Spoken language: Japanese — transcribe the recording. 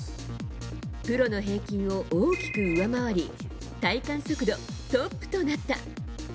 プロの平均を大きく上回り体感速度トップとなった。